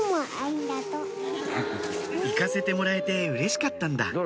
行かせてもらえてうれしかったんだ